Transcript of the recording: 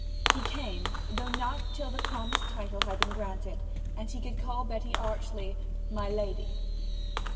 He came, though not till the promised title had been granted, and he could call Betty archly 'My Lady.'